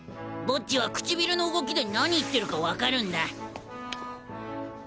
ボッジは唇の動きで何言ってるか分かるんだ。